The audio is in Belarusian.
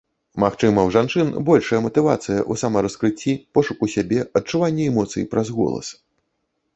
Магчыма, у жанчын большая матывацыя ў самараскрыцці, пошуку сябе, адчуванні эмоцый праз голас.